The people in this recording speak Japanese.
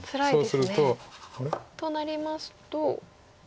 そうすると。となりますとここで。